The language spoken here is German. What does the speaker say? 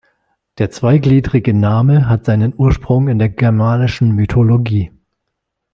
Der zweigliedrige Name hat seinen Ursprung in der germanischen Mythologie.